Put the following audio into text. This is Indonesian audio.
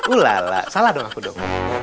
ulala salah dong aku dong